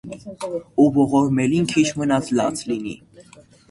Ու ողորմելին քիչ մնաց լաց լինի: